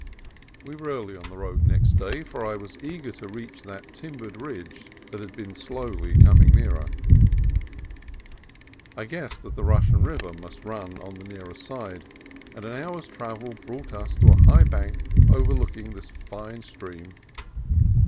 We were early on the road next day, for I was eager to reach that timbered ridge that had been slowly coming nearer. I guessed that the Russian River must run on the nearer side, and an hour's travel brought us to a high bank overlooking this fine stream.